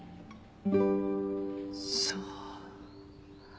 そう。